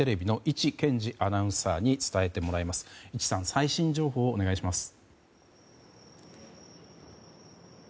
伊地さん、最新情報をお願いします。